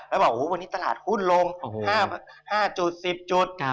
แล้วบอกว่าโอ้โหวันนี้ตลาดหุ้นลง๕จุด๑๐จุด